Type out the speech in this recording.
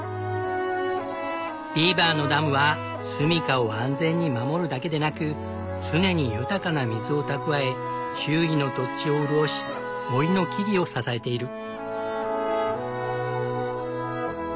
ビーバーのダムは住みかを安全に守るだけでなく常に豊かな水を蓄え周囲の土地を潤し森の木々を支えている。